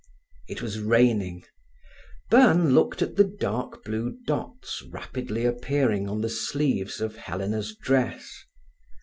It was raining. Byrne looked at the dark blue dots rapidly appearing on the sleeves of Helena's dress.